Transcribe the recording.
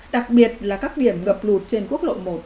đặc biệt là các điểm ngập lụt trên quốc lộ một